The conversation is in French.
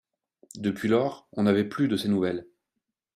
Depuis lors, on n'avait plus de ses nouvelles.